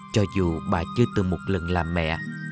cho dù bà chưa từng một lần làm mẹ